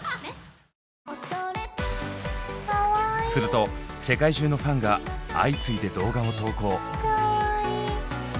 すると世界中のファンが相次いで動画を投稿。